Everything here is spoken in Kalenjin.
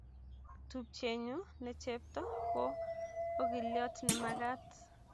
tupchenyu ne chepto ko okiliot ne mekat.